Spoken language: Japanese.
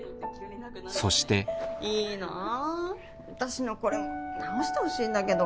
そしていいな私のこれも治してほしいんだけど。